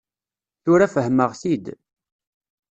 Tura fehmeɣ-t-id.